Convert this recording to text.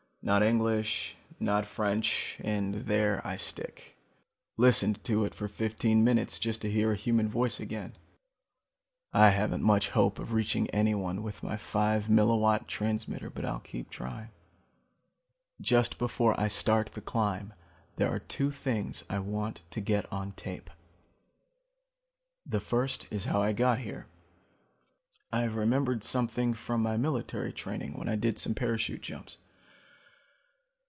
Not English, not French, and there I stick. Listened to it for fifteen minutes just to hear a human voice again. I haven't much hope of reaching anyone with my five milliwatt suit transmitter but I'll keep trying. "Just before I start the climb there are two things I want to get on tape. The first is how I got here. I've remembered something from my military training, when I did some parachute jumps.